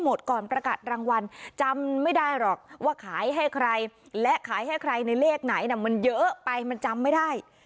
มันเยอะไปมันจำไม่ได้